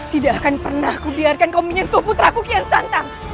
tidak akan pernah kubiarkan kau menyentuh putra ku kian santah